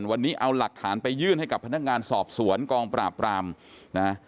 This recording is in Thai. วันนี้เอาหลักฐานไปยื่นให้กับพนักงานสอบสวนกองปราบรามนะ